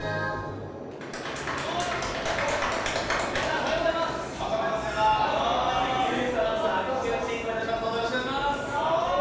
おはようございます、ここからは私、ＴＢＳアナウンサー・赤荻歩が進行します。